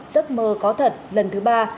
giấc mơ có thật lần thứ ba